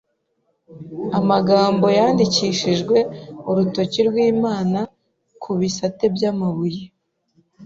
Amagambo yandikishijwe urutoki rw’Imana ku bisate by’amabuye